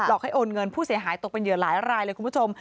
ให้โอนเงินผู้เสียหายตกเป็นเหยื่อหลายรายเลยคุณผู้ชม